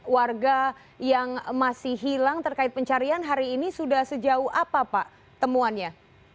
warga yang masih hilang terkait pencarian hari ini sudah sejauh apa pak temuannya